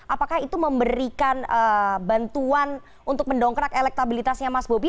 apakah itu memberikan bantuan untuk mendongkrak elektabilitasnya mas bobi